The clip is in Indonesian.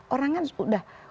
orang kan sudah